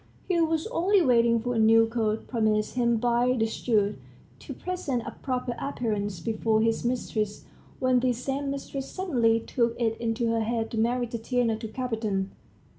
He was only waiting for a new coat, promised him by the steward, to present a proper appearance before his mistress, when this same mistress suddenly took it into her head to marry Tatiana to Kapiton.